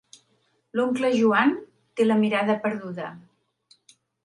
L'oncle Joan té la mirada perduda.